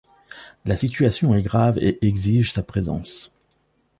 La situation est grave et exige sa présence.